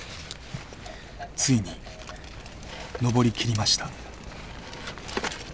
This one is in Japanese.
ついに登りきりました。